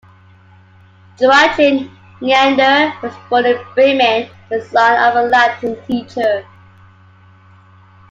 Joachim Neander was born in Bremen, the son of a Latin teacher.